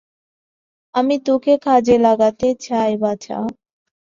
আমি তোকে কাজে লাগতে চাই, বাছা।